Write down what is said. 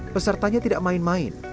pesertanya tidak main main